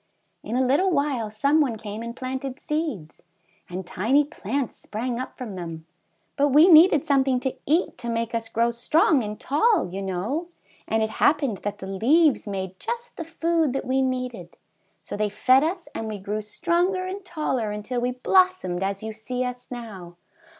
In a little while some one came and planted seeds, and tiny plants sprang up from them; but we needed something to eat to make us grow strong and tall, you know, and it happened that the leaves made just the food that we needed, so they fed us and we grew stronger and taller until we blossomed as you see us now."